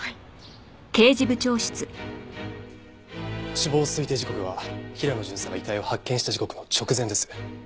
死亡推定時刻は平野巡査が遺体を発見した時刻の直前です。